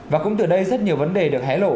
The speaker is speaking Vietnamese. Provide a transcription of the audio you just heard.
và cũng từ đây rất nhiều vấn đề được hé lộ